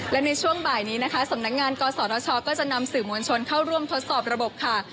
และในช่วงบ่ายนี้นะคะสำนักงานกศชก็จะนำสื่อมวลชนเข้าร่วมทดสอบระบบค่ะ